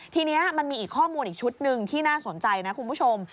ทีนี้มันมีอีกข้อมูลอีกชุดหนึ่งที่น่าสนใจนะคุณผู้ชม